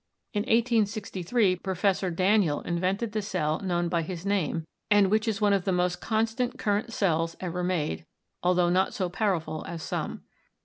In 1863, Professor Daniell invented the cell known by his name and which is one of the most constant current cells ever made, altho not so powerful as some.